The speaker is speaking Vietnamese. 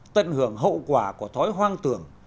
tận hưởng hậu quả của thói hoang tưởng